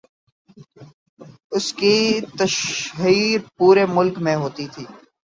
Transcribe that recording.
اس کی تشہیر پورے ملک میں ہوتی تھی۔